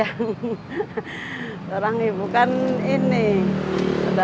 apa ya kasih sayang orang ibu kan ini bantuin tulang ini kan namanya apa ya kasih sayang orang ibu kan ini